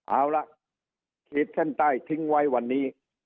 เอาละขีดเส้นใต้ทิ้งไว้วันนี้